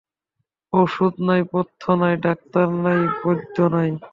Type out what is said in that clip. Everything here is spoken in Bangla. ঔষধ নাই, পথ্য নাই, ডাক্তার নাই, বৈদ্য নাই।